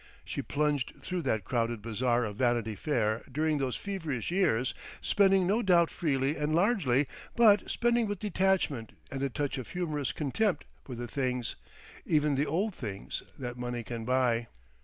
She plunged through that crowded bazaar of Vanity Fair during those feverish years, spending no doubt freely and largely, but spending with detachment and a touch of humorous contempt for the things, even the "old" things, that money can buy.